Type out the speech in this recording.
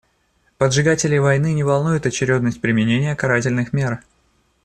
Поджигателей войны не волнует очередность применения карательных мер.